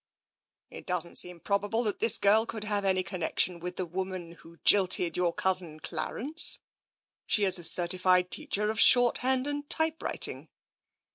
" It doesn't seem probable that this girl could have any connection with the woman who jilted your cousin Clarence; she is a certified teacher of shorthand and typewriting."